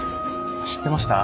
知ってました？